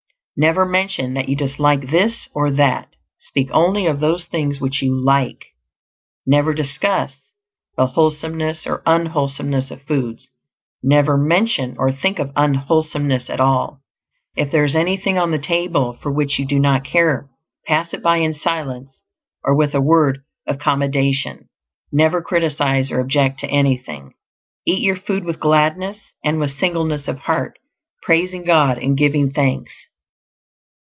Never mention that you dislike this or that; speak only of those things which you like. Never discuss the wholesomeness or unwholesomeness of foods; never mention or think of unwholesomeness at all. If there is anything on the table for which you do not care, pass it by in silence, or with a word of commendation; never criticise or object to anything. Eat your food with gladness and with singleness of heart, praising God and giving thanks.